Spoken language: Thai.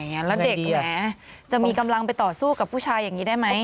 แล้วเด็กแหมจะมีกำลังไปต่อสู้กับผู้ชายอย่างนี้ได้ไหม